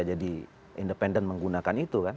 jadi independen menggunakan itu kan